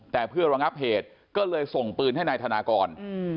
แต่เพื่อระงับเหตุก็เลยส่งปืนให้นายธนากร